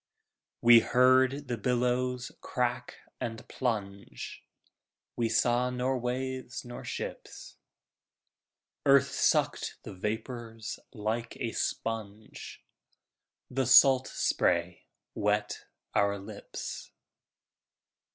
We heard the billows crack and plunge, We saw nor waves nor ships. Earth sucked the vapors like a sponge, The salt spray wet our lips.